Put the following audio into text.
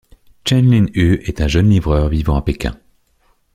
Chen Lin-Hu est un jeune livreur vivant à Pékin.